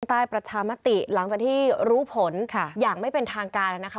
ประชามติหลังจากที่รู้ผลอย่างไม่เป็นทางการนะคะ